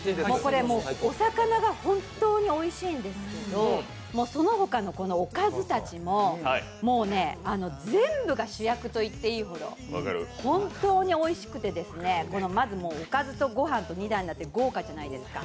お魚が本当においしいんですけどそのほかのおかずたちも全部が主役といっていいほど本当においしくて、まずおかずとご飯と２段になって豪華じゃないですか。